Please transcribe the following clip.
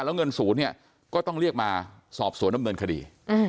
แล้วเงินศูนย์เนี่ยก็ต้องเรียกมาสอบสวนดำเนินคดี